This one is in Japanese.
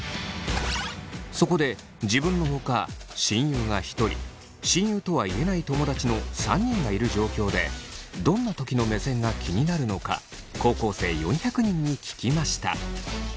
そこで自分のほか親友が１人親友とは言えない友達の３人がいる状況でどんなときの目線が気になるのか高校生４００人に聞きました。